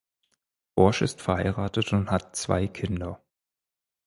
Borsch ist verheiratet und hat zwei Kinder.